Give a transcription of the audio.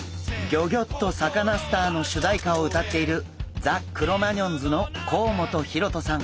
「ギョギョッとサカナ★スター」の主題歌を歌っているザ・クロマニヨンズの甲本ヒロトさん。